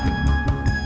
liat dong liat